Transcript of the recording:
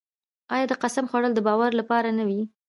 آیا د قسم خوړل د باور لپاره نه وي؟